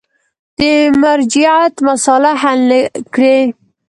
د مرجعیت مسأله حل نه کړي.